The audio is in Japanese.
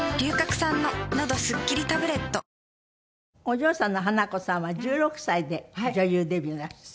お嬢さんの華子さんは１６歳で女優デビューなすって。